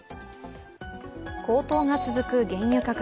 高騰が続く原油価格。